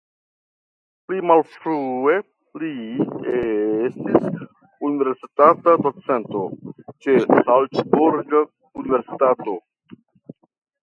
Pli malfrue li estis universitata docento ĉe Salcburga universitato.